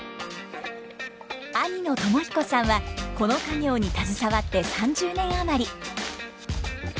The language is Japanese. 兄の友彦さんはこの家業に携わって３０年余り。